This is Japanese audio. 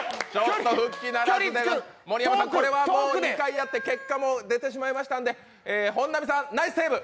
２回やって結果も出てしまいましたんで、本並さん、ナイスセーブ！